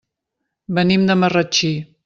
Venim de Marratxí.